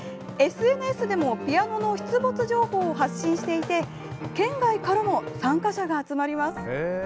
ＳＮＳでもピアノの出没情報を発信していて県外からも参加者が集まります。